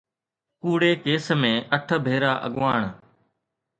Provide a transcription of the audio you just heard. ڪوڙي ڪيس ۾ اٺ ڀيرا اڳواڻ